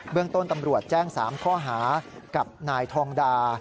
เรื่องต้นตำรวจแจ้ง๓ข้อหากับนายทองดา